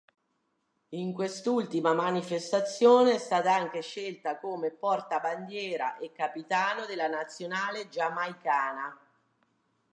In quest'ultima manifestazione è stata anche scelta come portabandiera e capitano della nazionale giamaicana.